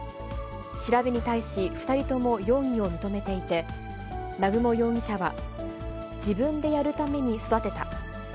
調べに対し、２人とも容疑を認めていて、南雲容疑者は、自分でやるために育てた。